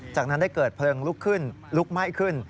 จากนั้นได้เกิดเพลิงลุกขึ้นลุกไหม้ขึ้น